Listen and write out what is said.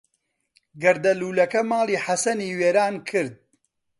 گەردەلوولەکە ماڵی حەسەنی وێران کرد.